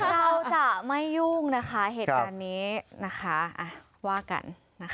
เราจะไม่ยุ่งนะคะเหตุกับนี้นะคะทุกวัน